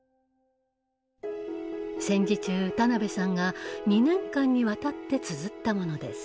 戦時中田辺さんが２年間にわたってつづったものです。